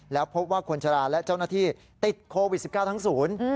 แล้วพบว่าคนชะลาและเจ้าหน้าที่ติดโควิด๑๙ทั้งศูนย์